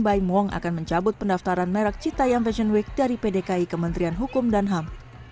baimuang akan mencabut pendaftaran merek cita yang fashion week dari pdki kementerian hukum dan ham